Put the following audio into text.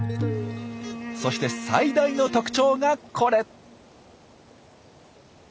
そして最大の特徴がこれ。